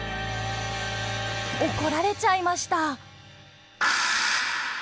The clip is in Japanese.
怒られちゃいました。